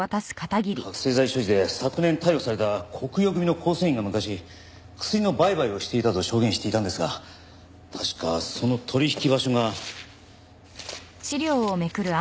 覚醒剤所持で昨年逮捕された黒燿組の構成員が昔薬の売買をしていたと証言していたんですが確かその取引場所が。